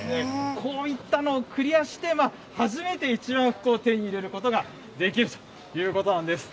こういったのをクリアして、初めて一番福を手に入れることができるということなんです。